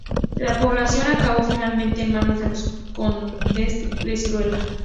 La población acabó finalmente en manos de los condes de Siruela.